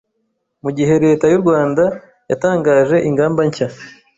Mu gihe Leta y’u Rwanda yatangaje ingamba nshya